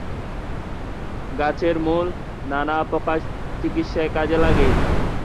গাছের মূল নানা প্রকার রোগের চিকিত্সায় লাগে।